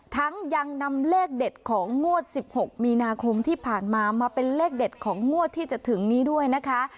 ยังนำเลขเด็ดของงวด๑๖มีนาคมที่ผ่านมามาเป็นเลขเด็ดของงวดที่จะถึงนี้ด้วยนะคะ